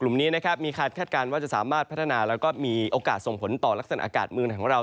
มีคาดคาดการณ์ว่าจะสามารถพัฒนาและมีโอกาสส่งผลต่อลักษณะอากาศเมืองไทยของเรา